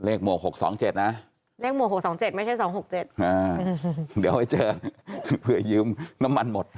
หมวก๖๒๗นะเลขหมวก๖๒๗ไม่ใช่๒๖๗เดี๋ยวให้เจอเผื่อยืมน้ำมันหมด